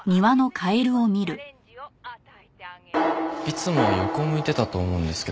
いつもは横を向いてたと思うんですけど。